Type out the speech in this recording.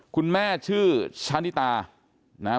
คุณแม่ชื่อชานิตานะ